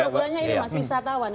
permasuk urannya ini mas wisatawan